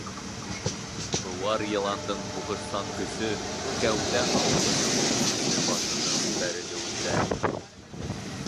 Быуар йыландың һуғышсан көсө — кәүҙә ауырлығын йөрөтөүсе башының бәрелеүендә.